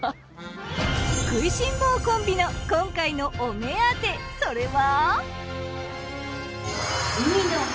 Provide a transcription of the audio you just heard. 食いしん坊コンビの今回のお目当てそれは。